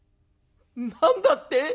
「何だって！？